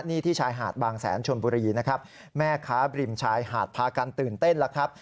นี่ที่ชายหาดบางแสนชนบุรีนะครับแม่ค้าบริมชายหาดพากันตื่นเต้นแล้วครับ